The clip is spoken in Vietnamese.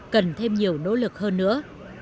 cần thêm nhiều nỗ lực hơn nữa